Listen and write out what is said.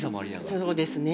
そうですね。